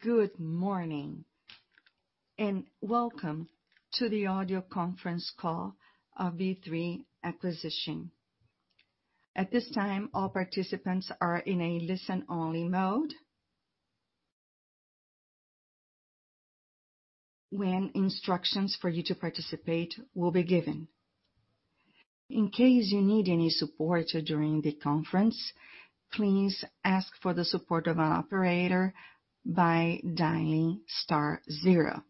Good morning, and welcome to the audio conference call of B3 acquisition. At this time, all participants are in a listen-only mode. When instructions for you to participate will be given. In case you need any support during the conference, please ask for the support of an operator by dialing star zero.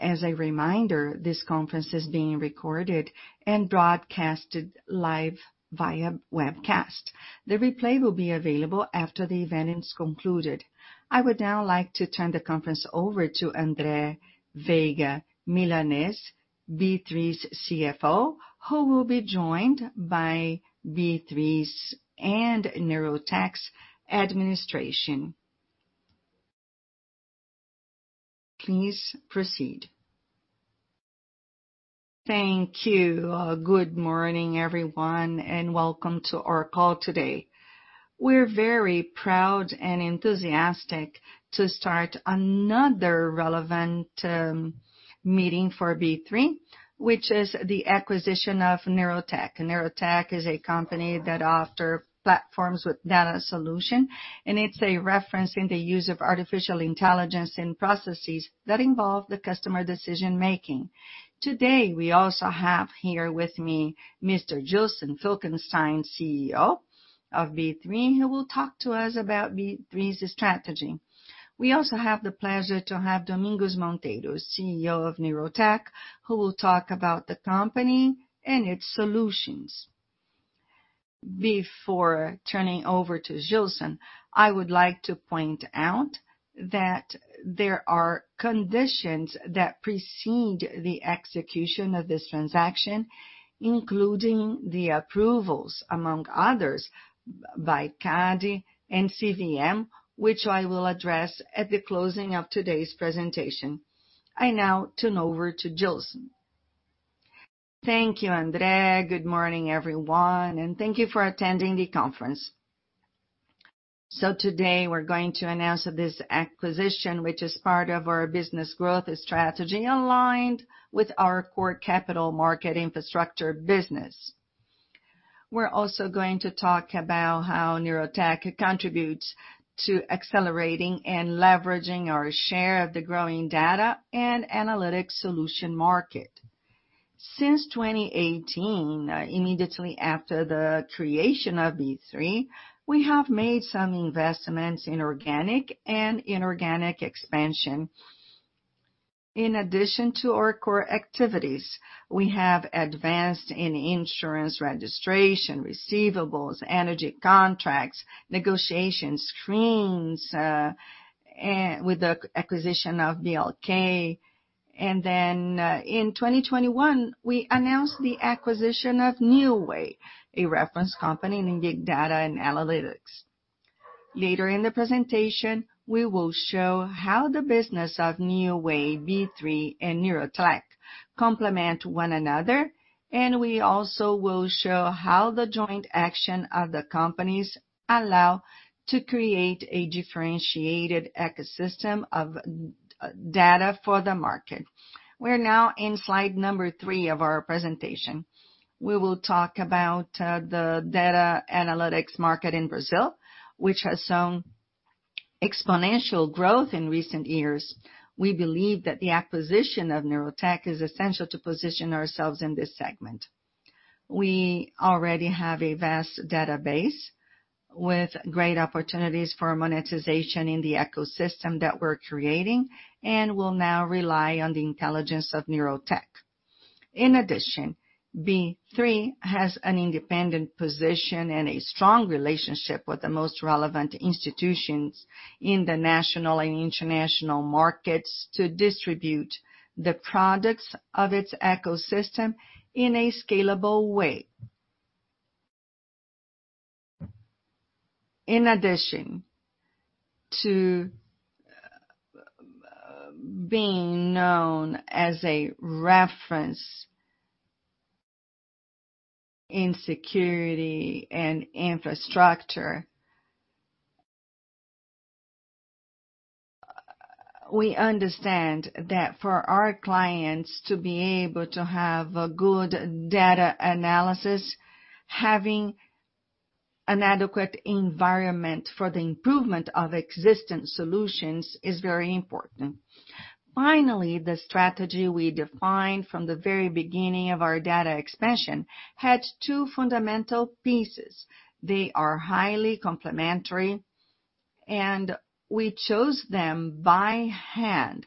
As a reminder, this conference is being recorded and broadcasted live via webcast. The replay will be available after the event is concluded. I would now like to turn the conference over to André Veiga Milanez, B3's Chief Financial Officer, who will be joined by B3's and Neurotech's administration. Please proceed. Thank you. Good morning, everyone, and welcome to our call today. We're very proud and enthusiastic to start another relevant meeting for B3, which is the acquisition of Neurotech. Neurotech is a company that offer platforms with data solution, and it's a reference in the use of artificial intelligence in processes that involve the customer decision-making. Today, we also have here with me Mr. Gilson Finkelsztain, Chief Executive Officer of B3, who will talk to us about B3's strategy. We also have the pleasure to have Domingos Monteiro, Chief Executive Officer of Neurotech, who will talk about the company and its solutions. Before turning over to Gilson, I would like to point out that there are conditions that precede the execution of this transaction, including the approvals, among others, by CADE and CVM, which I will address at the closing of today's presentation. I now turn over to Gilson. Thank you, Andre. Good morning, everyone, and thank you for attending the conference. Today we're going to announce this acquisition, which is part of our business growth strategy aligned with our core capital market infrastructure business. We're also going to talk about how Neurotech contributes to accelerating and leveraging our share of the growing data and analytics solution market. Since 2018, immediately after the creation of B3, we have made some investments in organic and inorganic expansion. In addition to our core activities, we have advanced in insurance registration, receivables, energy contracts, negotiation screens, and with the acquisition of BLK. In 2021, we announced the acquisition of Neoway, a reference company in big data and analytics. Later in the presentation, we will show how the business of Neoway, B3, and Neurotech complement one another, and we also will show how the joint action of the companies allow to create a differentiated ecosystem of data for the market. We're now in slide number three of our presentation. We will talk about the data analytics market in Brazil, which has shown exponential growth in recent years. We believe that the acquisition of Neurotech is essential to position ourselves in this segment. We already have a vast database with great opportunities for monetization in the ecosystem that we're creating and will now rely on the intelligence of Neurotech. In addition, B3 has an independent position and a strong relationship with the most relevant institutions in the national and international markets to distribute the products of its ecosystem in a scalable way. In addition to being known as a reference in security and infrastructure, we understand that for our clients to be able to have a good data analysis, having an adequate environment for the improvement of existing solutions is very important. Finally, the strategy we defined from the very beginning of our data expansion had two fundamental pieces. They are highly complementary, and we chose them by hand,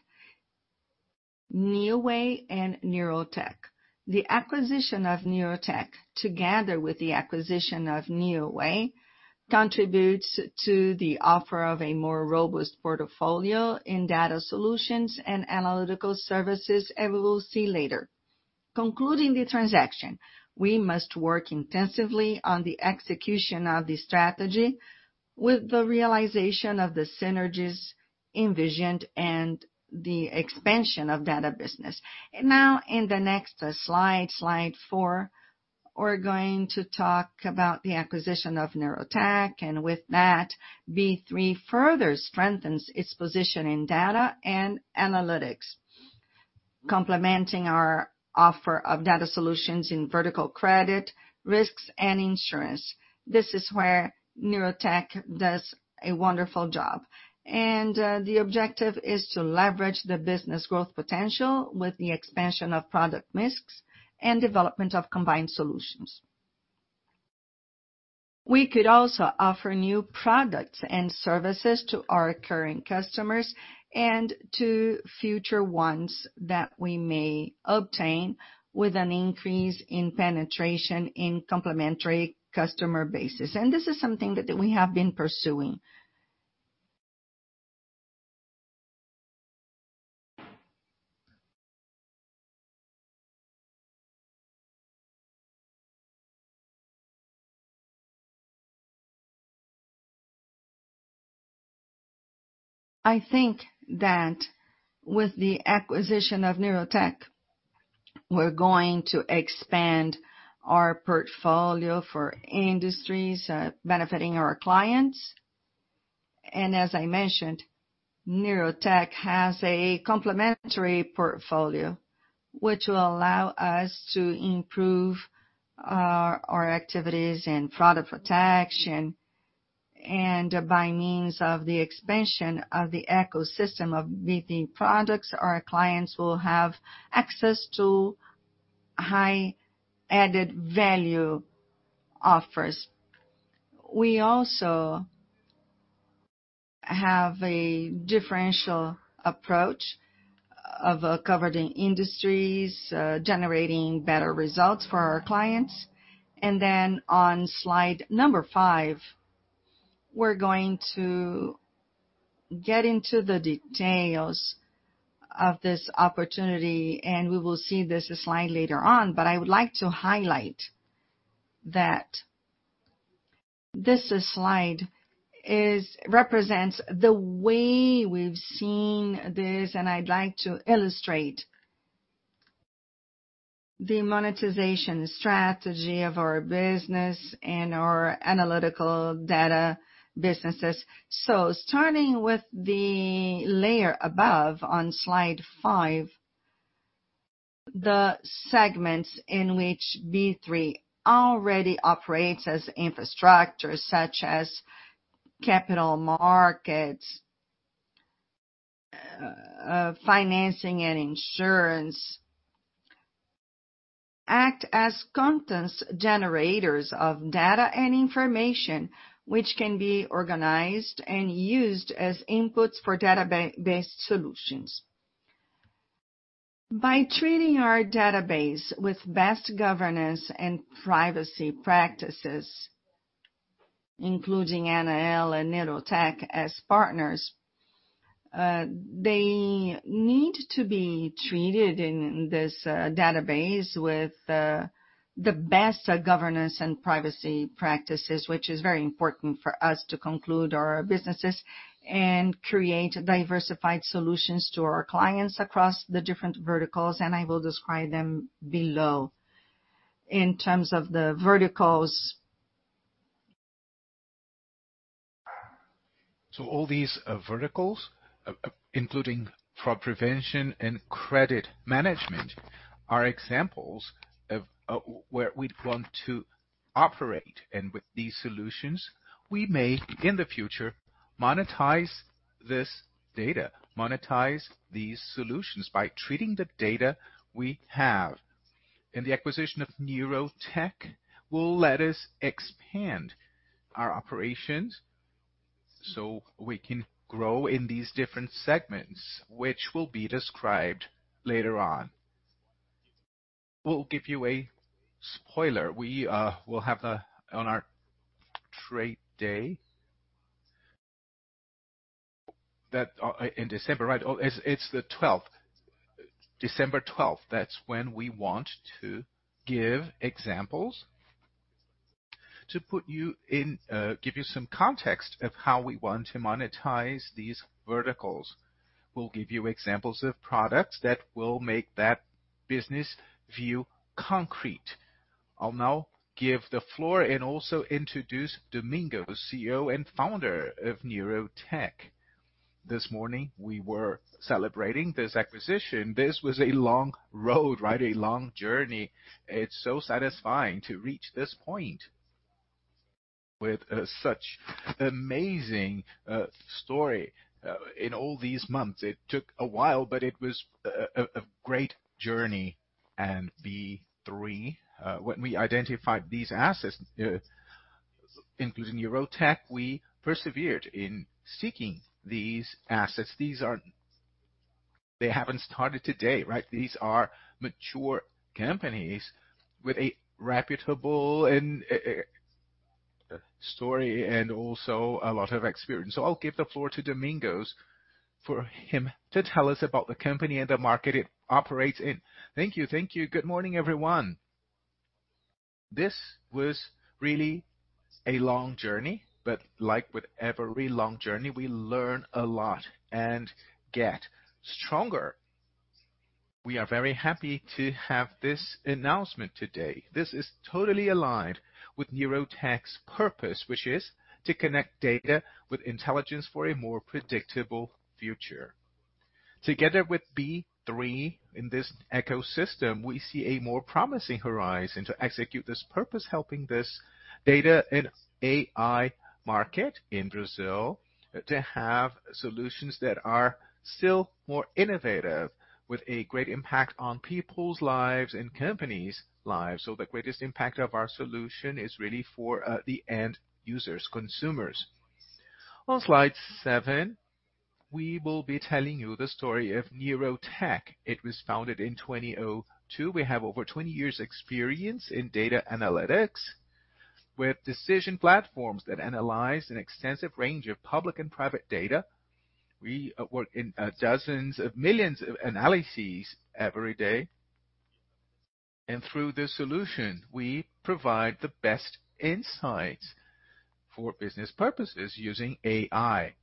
Neoway and Neurotech. The acquisition of Neurotech, together with the acquisition of Neoway, contributes to the offer of a more robust portfolio in data solutions and analytical services, and we will see later. Concluding the transaction, we must work intensively on the execution of the strategy with the realization of the synergies envisioned and the expansion of data business. Now in the next slide four, we're going to talk about the acquisition of Neurotech. With that, B3 further strengthens its position in data and analytics, complementing our offer of data solutions in vertical credit, risks and insurance. This is where Neurotech does a wonderful job. The objective is to leverage the business growth potential with the expansion of product risks and development of combined solutions. We could also offer new products and services to our current customers and to future ones that we may obtain with an increase in penetration in complementary customer bases. This is something that we have been pursuing. I think that with the acquisition of Neurotech, we're going to expand our portfolio for industries, benefiting our clients. As I mentioned, Neurotech has a complementary portfolio which will allow us to improve our activities in fraud protection. By means of the expansion of the ecosystem of B3 products, our clients will have access to high added value offers. We also have a differential approach of covering industries, generating better results for our clients. On slide number five, we're going to get into the details of this opportunity, and we will see this slide later on. I would like to highlight that this slide represents the way we've seen this, and I'd like to illustrate the monetization strategy of our business and our analytical data businesses. Starting with the layer above on slide five, the segments in which B3 already operates as infrastructure such as capital markets, financing and insurance, act as content generators of data and information which can be organized and used as inputs for data-based solutions. By treating our database with best governance and privacy practices, including Neoway and Neurotech as partners, they need to be treated in this database with the best governance and privacy practices, which is very important for us to conclude our businesses and create diversified solutions to our clients across the different verticals. I will describe them below in terms of the verticals. All these verticals, including fraud prevention and credit management, are examples of where we'd want to operate. With these solutions, we may, in the future, monetize this data, monetize these solutions by treating the data we have. The acquisition of Neurotech will let us expand our operations, so we can grow in these different segments, which will be described later on. We'll give you a spoiler. We will have on our trade day. That in December, right? Oh, it's the twelfth. December twelfth. That's when we want to give examples to put you in, give you some context of how we want to monetize these verticals. We'll give you examples of products that will make that business view concrete. I'll now give the floor and also introduce Domingo, Chief Executive Officer and founder of Neurotech. This morning we were celebrating this acquisition. This was a long road, right? A long journey. It's so satisfying to reach this point with such amazing story. In all these months, it took a while, but it was a great journey. B3, when we identified these assets, including Neurotech, we persevered in seeking these assets. These aren't. They haven't started today, right? These are mature companies with a reputable and the story and also a lot of experience. I'll give the floor to Domingos for him to tell us about the company and the market it operates in. Thank you. Thank you. Good morning, everyone. This was really a long journey, but like with every long journey, we learn a lot and get stronger. We are very happy to have this announcement today. This is totally aligned with Neurotech's purpose, which is to connect data with intelligence for a more predictable future. Together with B3 in this ecosystem, we see a more promising horizon to execute this purpose, helping this data and AI market in Brazil to have solutions that are still more innovative, with a great impact on people's lives and companies' lives. The greatest impact of our solution is really for the end users, consumers. On slide seven, we will be telling you the story of Neurotech. It was founded in 2022. We have over 20 years experience in data analytics. We have decision platforms that analyze an extensive range of public and private data. We work in dozens of millions of analyses every day. Through this solution, we provide the best insights for business purposes using AI.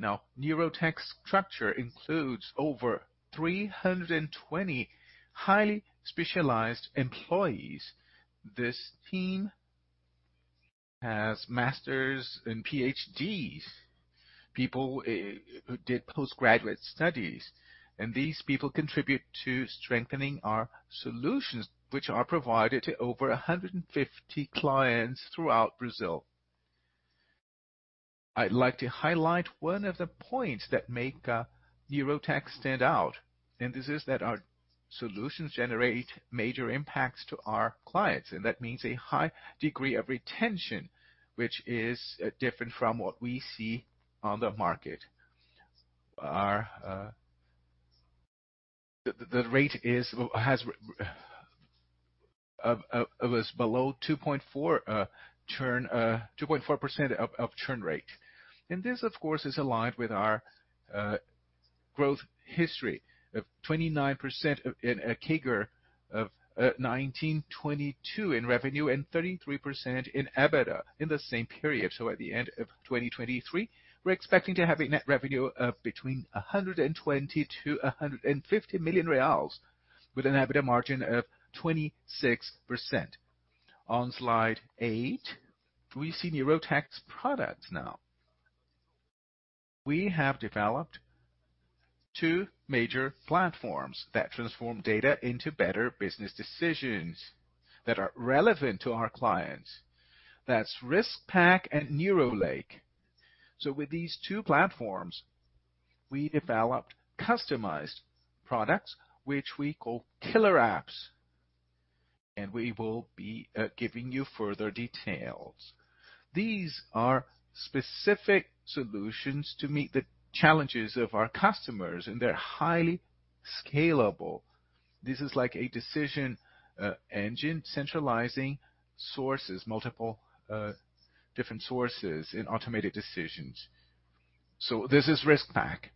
Now, Neurotech's structure includes over 320 highly specialized employees. This team has masters and PhDs, people who did post-graduate studies, and these people contribute to strengthening our solutions, which are provided to over 150 clients throughout Brazil. I'd like to highlight one of the points that make Neurotech stand out, and this is that our solutions generate major impacts to our clients, and that means a high degree of retention, which is different from what we see on the market. Our churn rate was below 2.4%. This, of course, is aligned with our growth history of 29% CAGR over 2019-2022 in revenue and 33% in EBITDA in the same period. At the end of 2023, we're expecting to have a net revenue of between 120 million-150 million reais with an EBITDA margin of 26%. On slide eight, we see Neurotech's products now. We have developed two major platforms that transform data into better business decisions that are relevant to our clients. That's RiskPack and NeuroLake. With these two platforms, we developed customized products, which we call Killer Apps, and we will be giving you further details. These are specific solutions to meet the challenges of our customers, and they're highly scalable. This is like a decision engine centralizing sources, multiple different sources in automated decisions. This is RiskPack.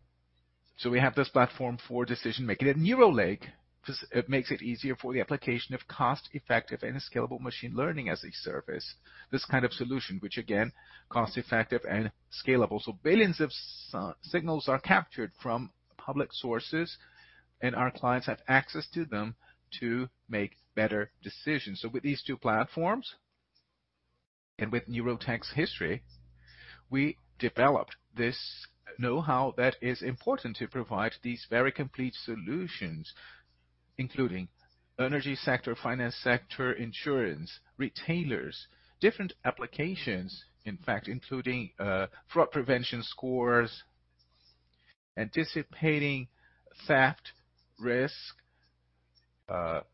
We have this platform for decision-making. At NeuroLake, this makes it easier for the application of cost-effective and scalable machine learning as a service. This kind of solution, which again, cost-effective and scalable. Billions of signals are captured from public sources, and our clients have access to them to make better decisions. With these two platforms and with Neurotech's history, we developed this know-how that is important to provide these very complete solutions, including energy sector, finance sector, insurance, retailers, different applications, in fact, including fraud prevention scores, anticipating theft risk,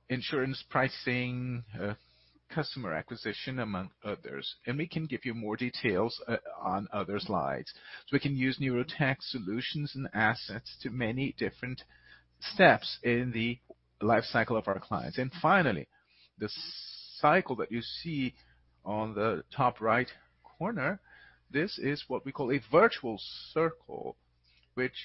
insurance pricing, customer acquisition, among others. We can give you more details on other slides. We can use Neurotech solutions and assets to many different steps in the life cycle of our clients. Finally, the cycle that you see on the top right corner, this is what we call a virtuous circle, which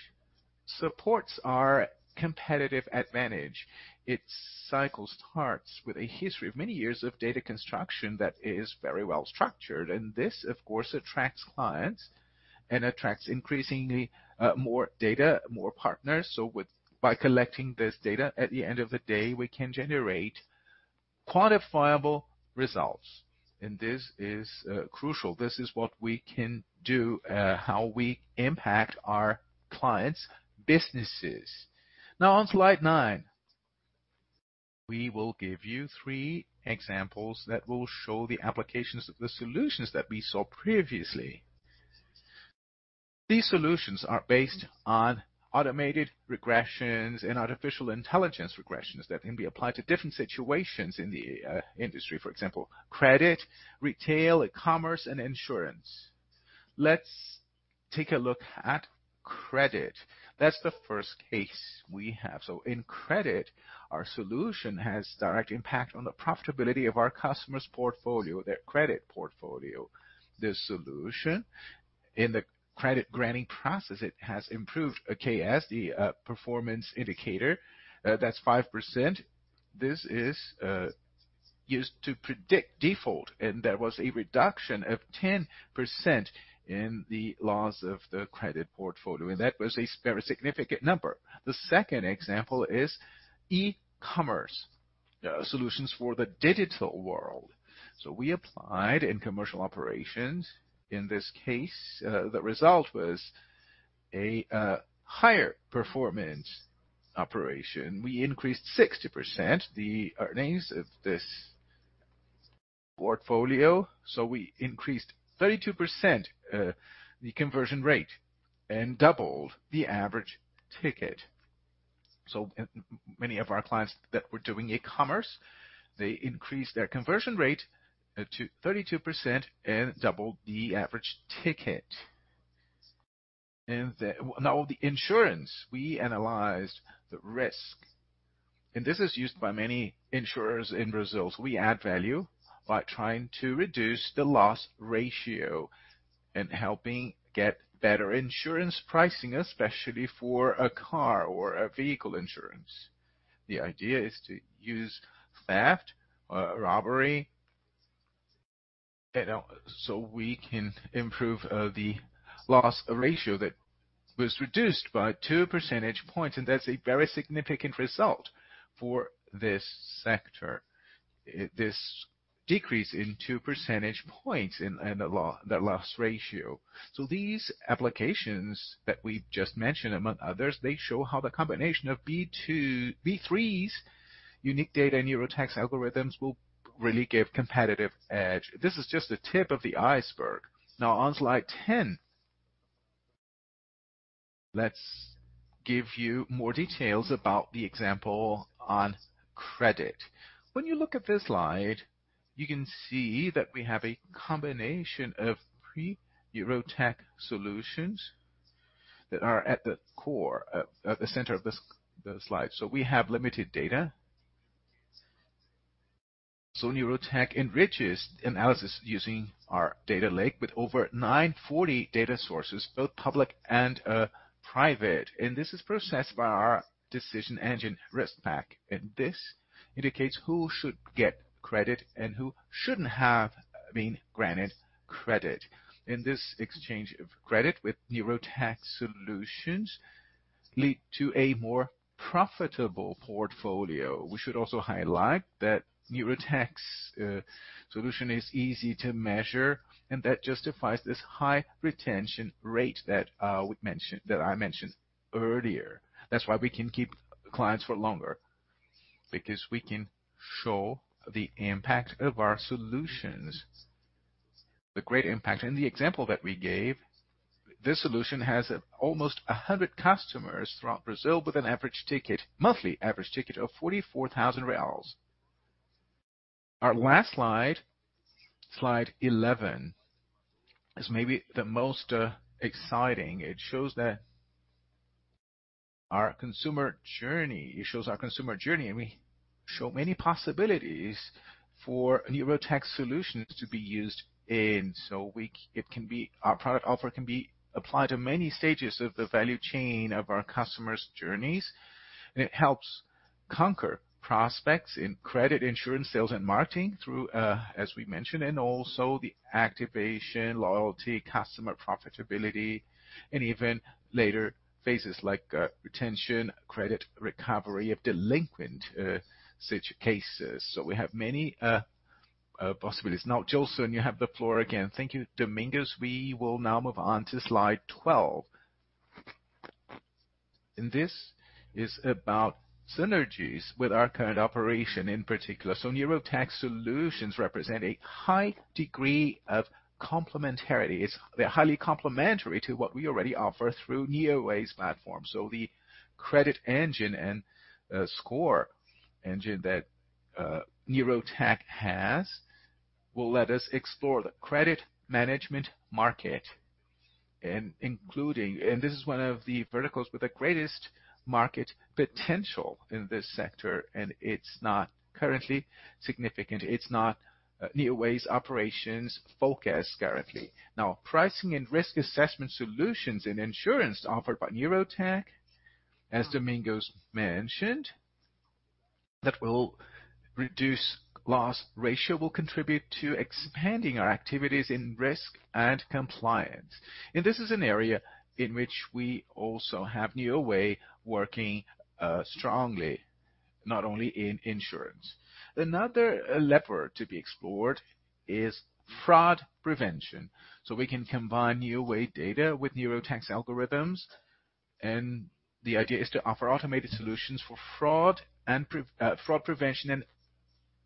supports our competitive advantage. Its cycle starts with a history of many years of data construction that is very well-structured, and this, of course, attracts clients and attracts increasingly more data, more partners. By collecting this data, at the end of the day, we can generate quantifiable results, and this is crucial. This is what we can do, how we impact our clients' businesses. Now on slide nine, we will give you three examples that will show the applications of the solutions that we saw previously. These solutions are based on automated regressions and artificial intelligence regressions that can be applied to different situations in the industry. For example, credit, retail, e-commerce, and insurance. Let's take a look at credit. That's the first case we have. In credit, our solution has direct impact on the profitability of our customer's portfolio, their credit portfolio. This solution in the credit granting process, it has improved KS performance indicator that's 5%. This is used to predict default, and there was a reduction of 10% in the loss of the credit portfolio, and that was a very significant number. The second example is e-commerce solutions for the digital world. We applied in commercial operations. In this case, the result was a higher performance operation. We increased 60% the earnings of this portfolio, we increased 32% the conversion rate and doubled the average ticket. Many of our clients that were doing e-commerce, they increased their conversion rate to 32% and doubled the average ticket. Now, the insurance, we analyzed the risk. This is used by many insurers in Brazil. We add value by trying to reduce the loss ratio and helping get better insurance pricing, especially for a car or a vehicle insurance. The idea is to use theft or robbery and so we can improve the loss ratio that was reduced by 2 percentage points, and that's a very significant result for this sector. This decrease in 2 percentage points in the loss ratio. These applications that we just mentioned, among others, they show how the combination of B3's unique data and Neurotech's algorithms will really give competitive edge. This is just the tip of the iceberg. Now on Slide 10, let's give you more details about the example on credit. When you look at this slide, you can see that we have a combination of pre-Neurotech solutions that are at the core, at the center of the slide. We have limited data. Neurotech enriches analysis using our data lake with over 940 data sources, both public and private. This is processed by our decision engine RiskPack, and this indicates who should get credit and who shouldn't have been granted credit. In this exchange of credit with Neurotech solutions lead to a more profitable portfolio. We should also highlight that Neurotech's solution is easy to measure, and that justifies this high retention rate that we mentioned that I mentioned earlier. That's why we can keep clients for longer, because we can show the impact of our solutions, the great impact. In the example that we gave, this solution has almost 100 customers throughout Brazil with a monthly average ticket of 44,000 reais. Our last Slide 11, is maybe the most exciting. It shows our consumer journey, and we show many possibilities for Neurotech solutions to be used in. Our product offer can be applied to many stages of the value chain of our customers' journeys. It helps convert prospects in credit insurance sales and marketing through, as we mentioned, and also the activation, loyalty, customer profitability, and even later phases like retention, credit recovery of delinquent such cases. We have many possibilities. Now, Gilson, you have the floor again. Thank you, Domingos. We will now move on to Slide 12. This is about synergies with our current operation in particular. Neurotech solutions represent a high degree of complementarity. They're highly complementary to what we already offer through Neoway's platform. The credit engine and score engine that Neurotech has will let us explore the credit management market. This is one of the verticals with the greatest market potential in this sector. It's not currently significant. It's not Neoway's operations focus currently. Pricing and risk assessment solutions and insurance offered by Neurotech, as Domingos mentioned, that will reduce loss ratio, will contribute to expanding our activities in risk and compliance. This is an area in which we also have Neoway working strongly, not only in insurance. Another lever to be explored is fraud prevention. We can combine Neoway data with Neurotech's algorithms, and the idea is to offer automated solutions for fraud and fraud prevention and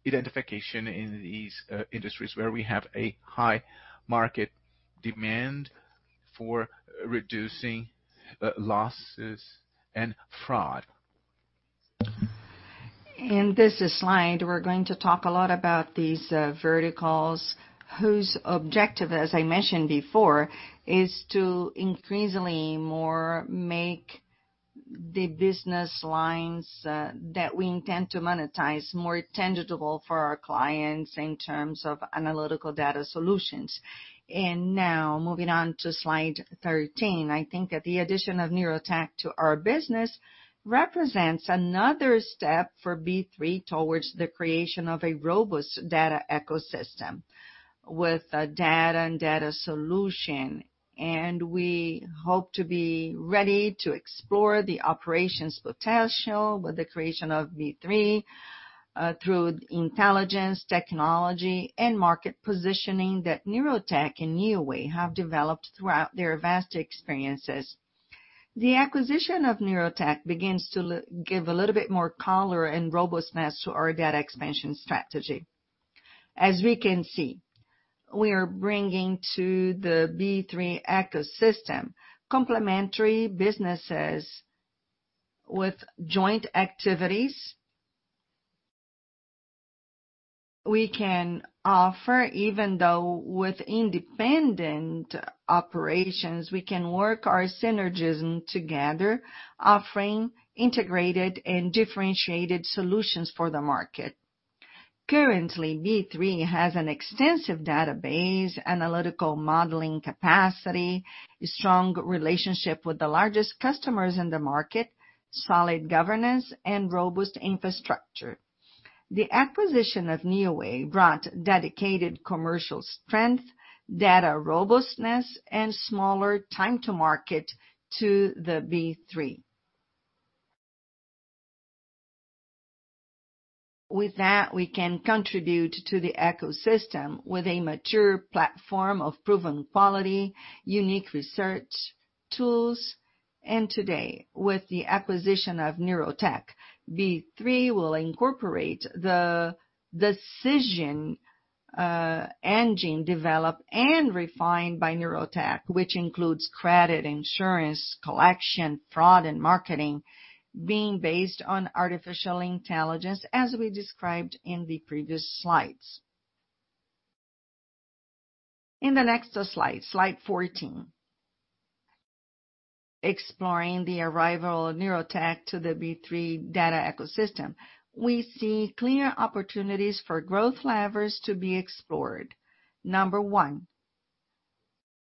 identification in these industries where we have a high market demand for reducing losses and fraud. In this slide, we're going to talk a lot about these verticals whose objective, as I mentioned before, is to increasingly more make the business lines that we intend to monetize more tangible for our clients in terms of analytical data solutions. Now moving on to Slide 13. I think that the addition of Neurotech to our business represents another step for B3 towards the creation of a robust data ecosystem with data and data solution. We hope to be ready to explore the operations potential with the creation of B3 through intelligence, technology and market positioning that Neurotech and Neoway have developed throughout their vast experiences. The acquisition of Neurotech begins to give a little bit more color and robustness to our data expansion strategy. As we can see, we are bringing to the B3 ecosystem complementary businesses with joint activities we can offer. Even though with independent operations, we can work our synergism together, offering integrated and differentiated solutions for the market. Currently, B3 has an extensive database, analytical modeling capacity, a strong relationship with the largest customers in the market, solid governance and robust infrastructure. The acquisition of Neoway brought dedicated commercial strength, data robustness, and smaller time to market to the B3. With that, we can contribute to the ecosystem with a mature platform of proven quality, unique research tools. Today, with the acquisition of Neurotech, B3 will incorporate the decision engine developed and refined by Neurotech, which includes credit, insurance, collection, fraud, and marketing being based on artificial intelligence as we described in the previous slides. In the next Slide 14. Exploring the arrival of Neurotech to the B3 data ecosystem, we see clear opportunities for growth levers to be explored. Number one,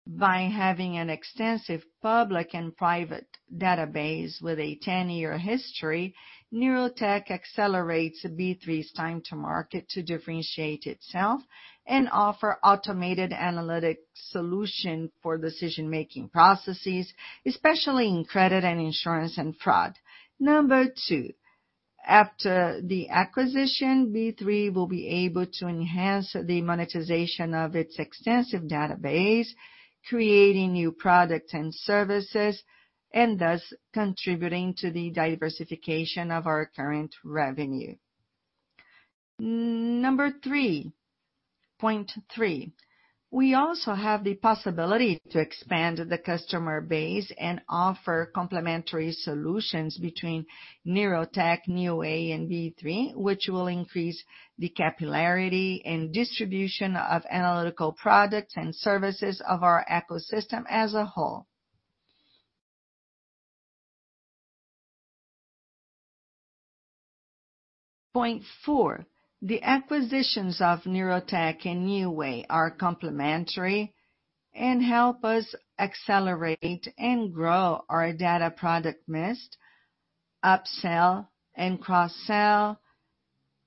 by having an extensive public and private database with a 10-year history, Neurotech accelerates B3's time to market to differentiate itself and offer automated analytic solution for decision-making processes, especially in credit and insurance and fraud. Number two, after the acquisition, B3 will be able to enhance the monetization of its extensive database, creating new products and services, and thus contributing to the diversification of our current revenue. Number three, we also have the possibility to expand the customer base and offer complementary solutions between Neurotech, Neoway and B3, which will increase the capillarity and distribution of analytical products and services of our ecosystem as a whole. Point four, the acquisitions of Neurotech and Neoway are complementary and help us accelerate and grow our data product mix, upsell and cross-sell,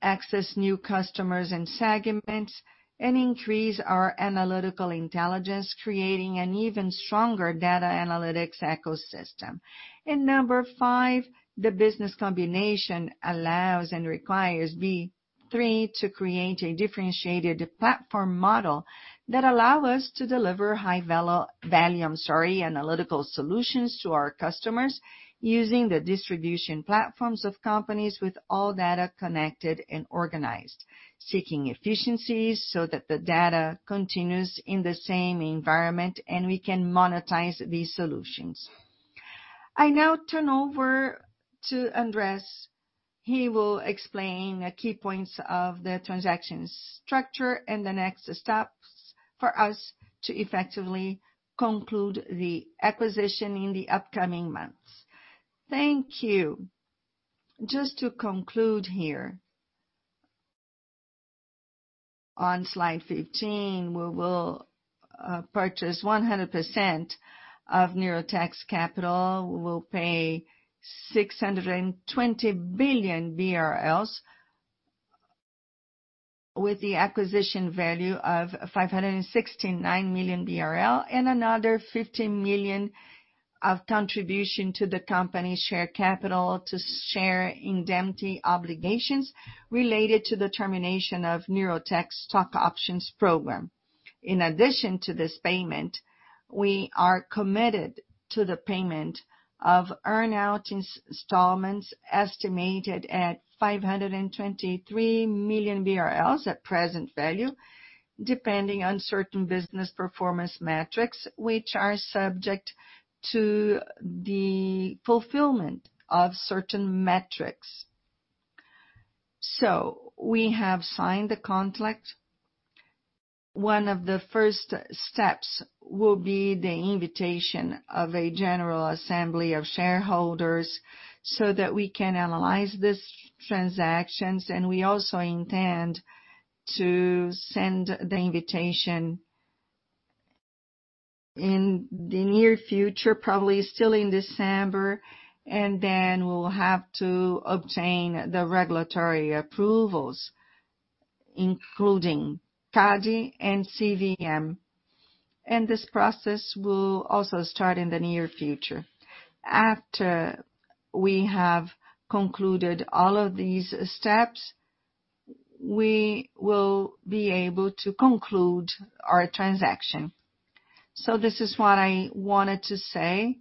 access new customers and segments, and increase our analytical intelligence, creating an even stronger data analytics ecosystem. Number five, the business combination allows and requires B3 to create a differentiated platform model that allow us to deliver high value analytical solutions to our customers using the distribution platforms of companies with all data connected and organized, seeking efficiencies so that the data continues in the same environment and we can monetize these solutions. I now turn over to Andre. He will explain the key points of the transaction structure and the next steps for us to effectively conclude the acquisition in the upcoming months. Thank you. Just to conclude here. On Slide 15, we will purchase 100% of Neurotech's capital. We will pay 620 million BRL with the acquisition value of 569 million BRL and another 15 million of contribution to the company's share capital to share indemnity obligations related to the termination of Neurotech's stock options program. In addition to this payment, we are committed to the payment of earn-out installments estimated at 523 million BRL at present value, depending on certain business performance metrics, which are subject to the fulfillment of certain metrics. We have signed the contract. One of the first steps will be the invitation of a general assembly of shareholders so that we can analyze these transactions. We also intend to send the invitation in the near future, probably still in December. Then we'll have to obtain the regulatory approvals, including CADE and CVM. This process will also start in the near future. After we have concluded all of these steps, we will be able to conclude our transaction. This is what I wanted to say,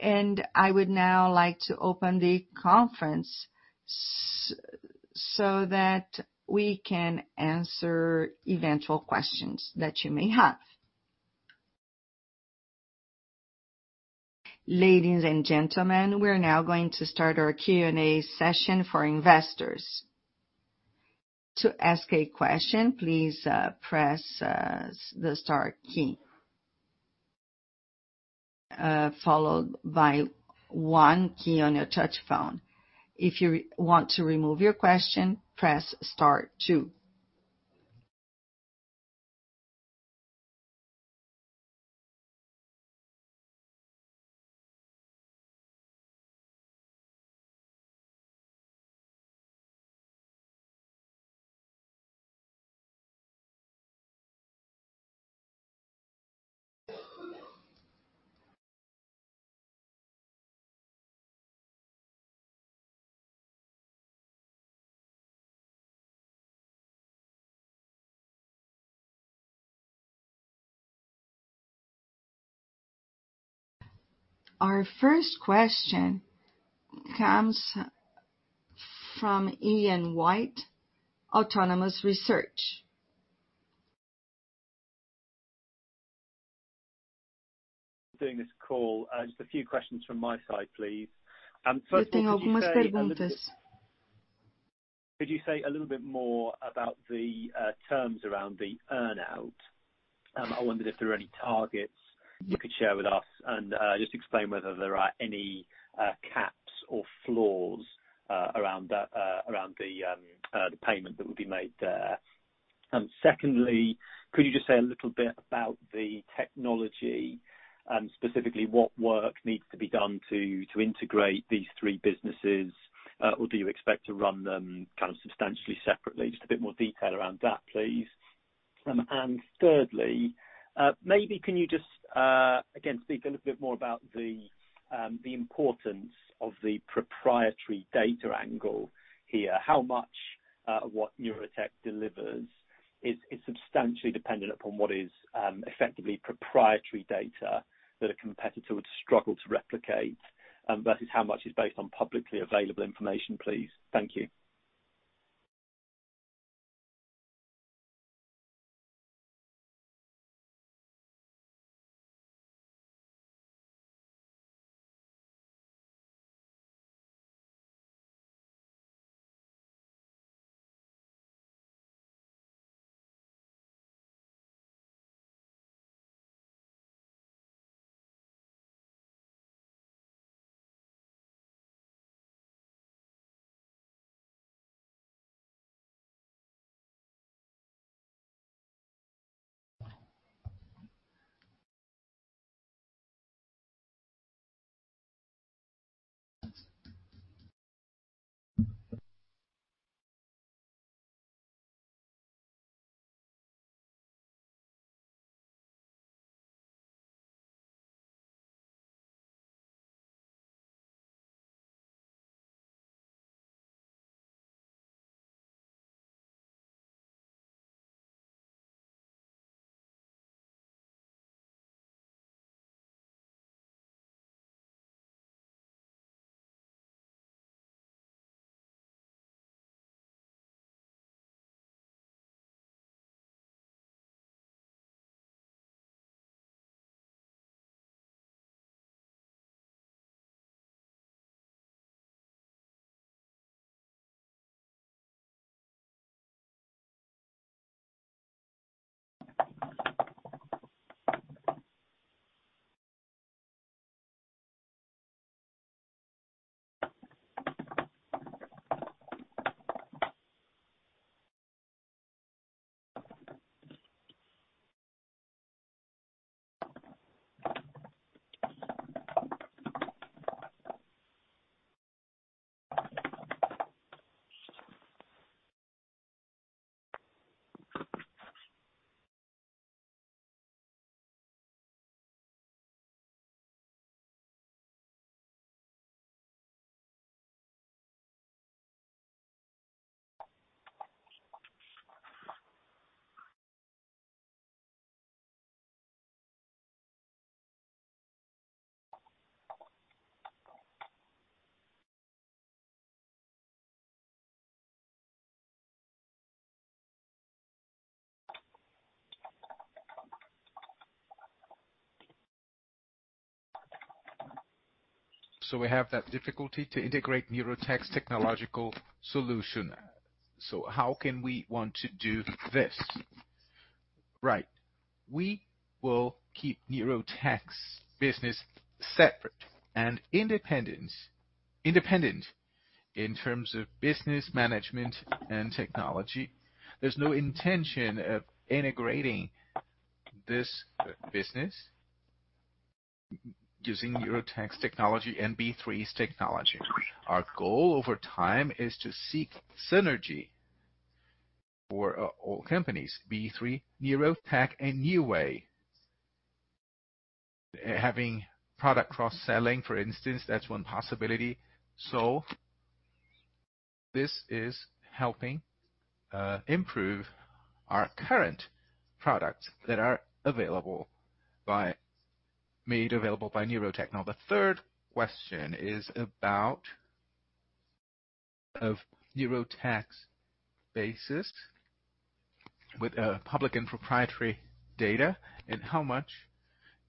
and I would now like to open the conference so that we can answer eventual questions that you may have. Ladies and gentlemen, we're now going to start our Q&A session for investors. To ask a question, please, press the star key followed by one key on your touch phone. If you want to remove your question, press star two. Our first question comes from Ian White, Autonomous Research. On this call. Just a few questions from my side, please. First of all, could you say a little bit more about the terms around the earn-out? I wondered if there are any targets you could share with us and just explain whether there are any caps or floors around the payment that would be made there. Secondly, could you just say a little bit about the technology, specifically what work needs to be done to integrate these three businesses? Do you expect to run them kind of substantially separately? Just a bit more detail around that, please. Thirdly, maybe can you just again speak a little bit more about the importance of the proprietary data angle here. How much of what Neurotech delivers is substantially dependent upon what is effectively proprietary data that a competitor would struggle to replicate versus how much is based on publicly available information, please. Thank you. We have that difficulty to integrate Neurotech's technological solution. How can we want to do this? Right. We will keep Neurotech's business separate and independent in terms of business management and technology. There's no intention of integrating this business using Neurotech's technology and B3's technology. Our goal over time is to seek synergy for all companies, B3, Neurotech, and Neoway. Having product cross-selling, for instance, that's one possibility. This is helping improve our current products that are made available by Neurotech. Now, the third question is about Neurotech's basis with public and proprietary data and how much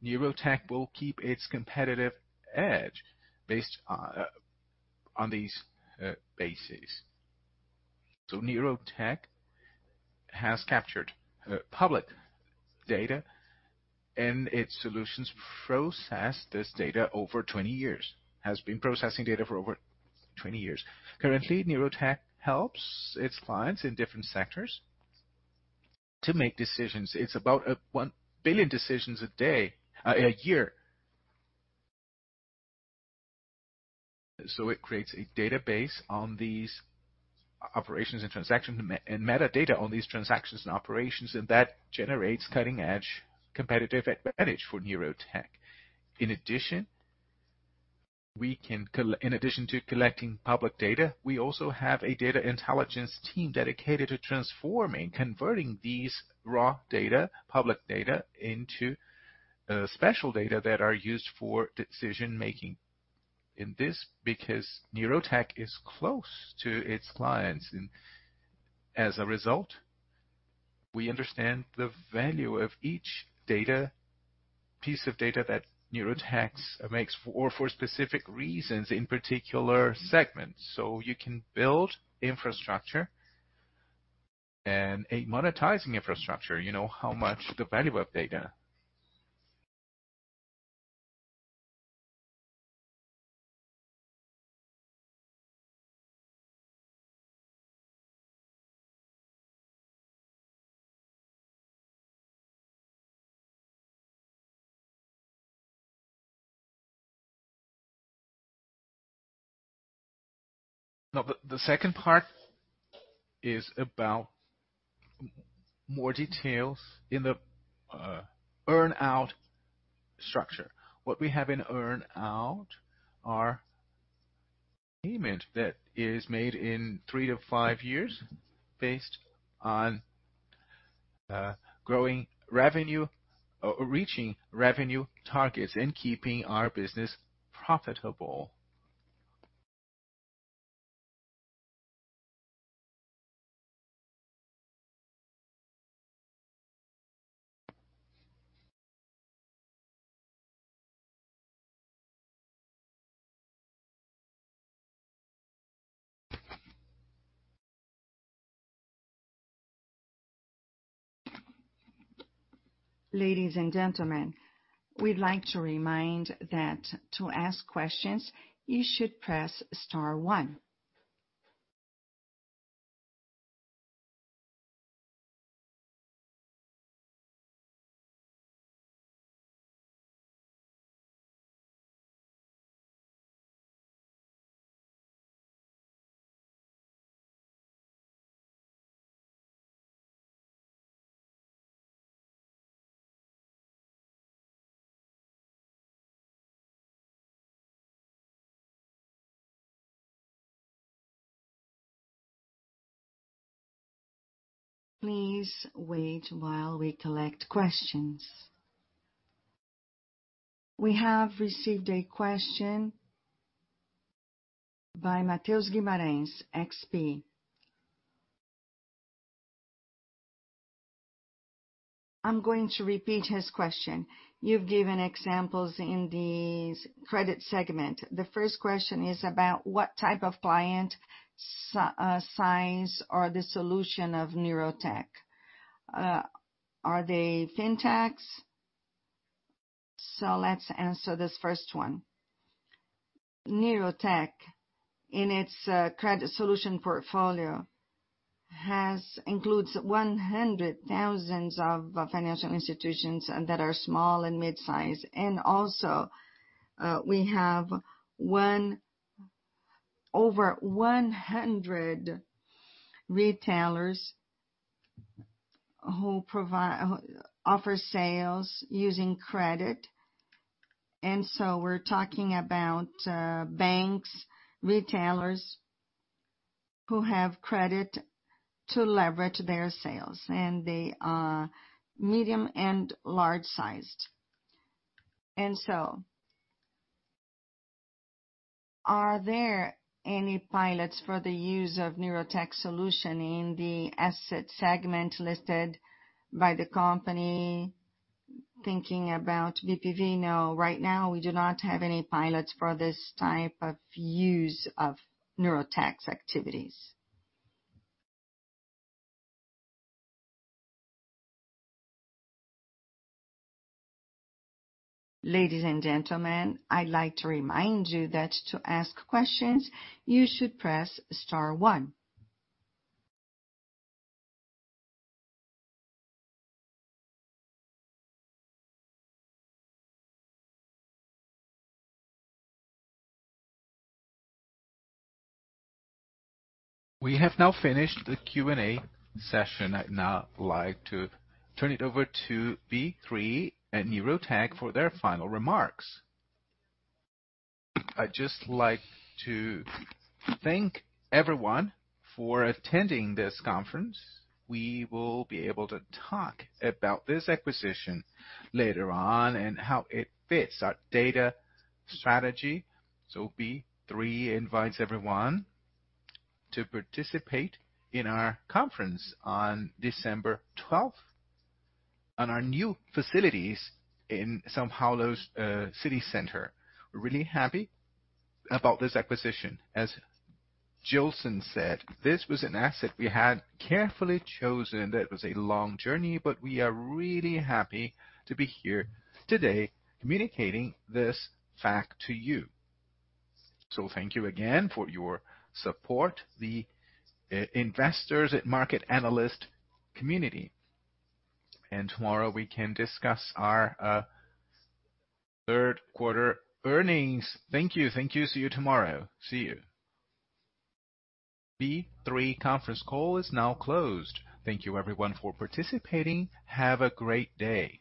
Neurotech will keep its competitive edge based on these bases. Neurotech has captured public data, and its solutions process this data over 20 years. It has been processing data for over 20 years. Currently, Neurotech helps its clients in different sectors to make decisions. It's about one billion decisions a year. It creates a database on these operations and transactions and metadata on these transactions and operations, and that generates cutting-edge competitive advantage for Neurotech. In addition to collecting public data, we also have a data intelligence team dedicated to transforming, converting these raw data, public data into special data that are used for decision-making. This is because Neurotech is close to its clients, and as a result, we understand the value of each piece of data that Neurotech makes for specific reasons in particular segments. You can build infrastructure and a monetizing infrastructure. You know how much the value of data. Now, the second part is about more details in the earn-out structure. What we have in earn-out are payment that is made in three to five years based on growing revenue, reaching revenue targets and keeping our business profitable. Ladies and gentlemen, we'd like to remind that to ask questions, you should press star one. Please wait while we collect questions. We have received a question by Matheus Guimarães, XP. I'm going to repeat his question. You've given examples in the credit segment. The first question is about what type of client signs up for the solution of Neurotech. Are they FinTechs? Let's answer this first one. Neurotech, in its credit solution portfolio, includes 100,000 financial institutions that are small and mid-sized. Also, we have over 100 retailers who offer sales using credit. We're talking about banks, retailers who have credit to leverage their sales, and they are medium and large-sized. Are there any pilots for the use of Neurotech solution in the asset segment listed by the company? Thinking about B3 now, right now we do not have any pilots for this type of use of Neurotech's activities. Ladies and gentlemen, I'd like to remind you that to ask questions, you should press star one. We have now finished the Q&A session. I'd now like to turn it over to B3 and Neurotech for their final remarks. I'd just like to thank everyone for attending this conference. We will be able to talk about this acquisition later on and how it fits our data strategy. B3 invites everyone to participate in our conference on December twelfth on our new facilities in São Paulo's city center. We're really happy about this acquisition. As Gilson said, this was an asset we had carefully chosen, that was a long journey, but we are really happy to be here today communicating this fact to you. Thank you again for your support, investors and market analyst community. Tomorrow we can discuss our third quarter earnings. Thank you. Thank you. See you tomorrow. See you. B3 conference call is now closed. Thank you everyone for participating. Have a great day.